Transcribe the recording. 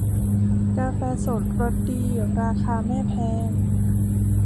กาแฟสดรสดีราคาแม่แพง